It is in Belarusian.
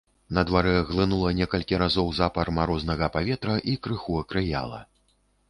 На дварэ глынула некалькі разоў запар марознага паветра і крыху акрыяла.